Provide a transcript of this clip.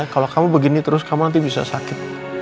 kalau kamu begini terus kamu nanti bisa sakit